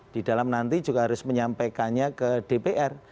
di dalam nanti juga harus menyampaikannya ke dpr